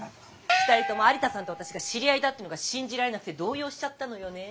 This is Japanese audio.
２人とも有田さんと私が知り合いだっていうのが信じられなくて動揺しちゃったのよね。